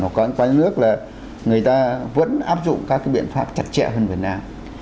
hoặc có những nước là người ta vẫn áp dụng các cái biện pháp chặt chẽ hơn việt nam